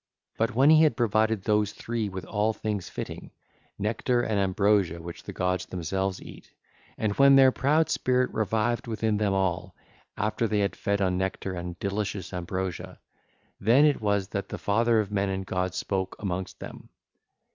But when he had provided those three with all things fitting, nectar and ambrosia which the gods themselves eat, and when their proud spirit revived within them all after they had fed on nectar and delicious ambrosia, then it was that the father of men and gods spoke amongst them: (ll.